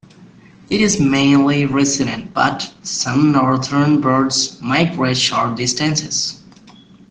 It is mainly resident, but some northern birds migrate short distances.